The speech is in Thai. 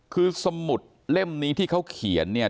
คือสมุดเล่มนี้ที่เขาเขียนเนี่ย